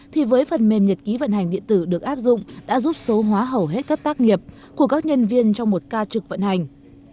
thì với phần mềm nhật ký vận hành điện tử được áp dụng đã giúp số hóa hầu hết các tác nghiệp của các nhân viên trong một ca trực vận hành